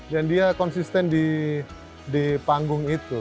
dan dia konsisten di panggung itu